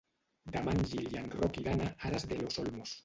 Demà en Gil i en Roc iran a Aras de los Olmos.